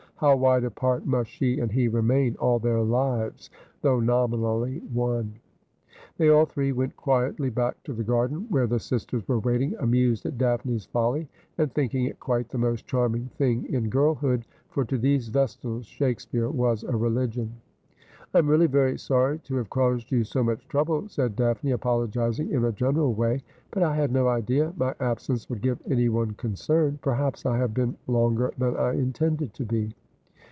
How wide apart must she and he remain all their lives, though nominally one ! They all three went quietly back to the garden, where the sisters were waiting, amused at Daphne's folly, and thinking ifc quite the most charming thing in girlhood ; for to these vestals (Shakespeare was a religion. ' I am really very sorry to have caused you so much trouble,' said Daphne, apologising in a general way ;' but I had no idea my absence would give anyone concern. Perhaps I have been longer than I intended to be.'